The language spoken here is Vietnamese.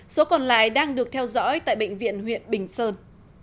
số còn lại đang được theo dõi tại bệnh viện huyện bình sơn